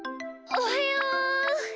おはよう。